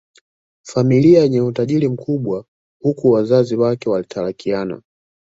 familia yenye utajiri mkubwa Huku wazazi wake walitalakiana